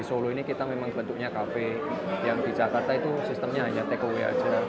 solo ini kita memang bentuknya kafe yang di jakarta itu sistemnya hanya take away aja